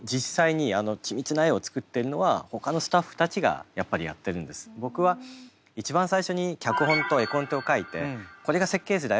だから何かあんまり僕は一番最初に脚本と絵コンテを描いてこれが設計図だよ